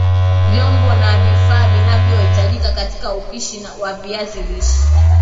Vyombo na vifaa vinavyohitajika katika upishi wa viazi lishe